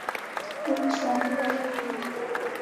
اوږد ژوند ورکړي.